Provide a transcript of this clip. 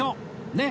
ねっ！